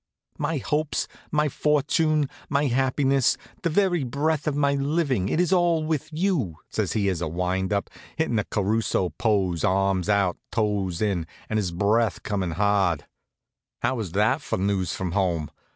"My hopes, my fortune, my happiness, the very breath of my living, it is all with you," says he as a windup, hittin' a Caruso pose, arms out, toes in, and his breath comin' hard. How was that for news from home?